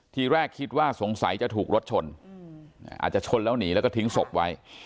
ทีแรกคิดว่าสงสัยจะถูกรถชนอาจจะชนแล้วหนีแล้วก็ทิ้งศพไว้